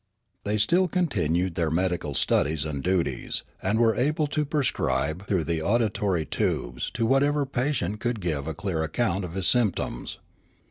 They still continued their medical studies and duties, and were able to prescribe through the auditory tubes to whatever patient could give a clear account of his symptoms.